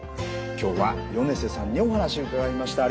今日は米瀬さんにお話伺いました。